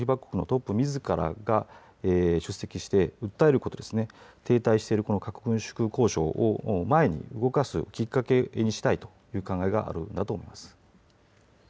唯一の戦争被爆国のトップみずからが出席して訴えることで停滞している核軍縮交渉を前に動かすきっかけにしたいという考えがあるんだと思います。